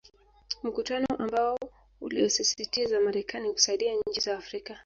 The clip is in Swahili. Mkutano ambao uliosisitiza Marekani kusaidia nchi za Afrika